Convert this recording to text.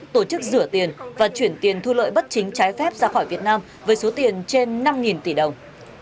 tổ chức rửa tiền và chuyển tiền thu lợi bất chính trái phép ra khỏi việt nam với số tiền trên năm tỷ đồng